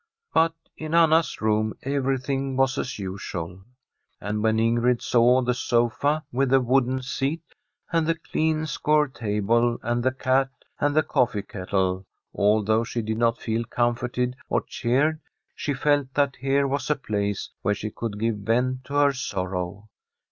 But in Anna's room everything was as usual. Tbi STORY of a COUNTRY HOUSE And when Ingrid saw the sofa with the wooden seat, and the clean, scoured table, and the cat, and the coffee kettle, although she did not feel com forted or cheered, she felt that here was a place where she could give vent to her sorrow.